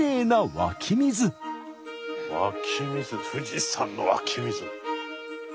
湧き水富士山の湧き水。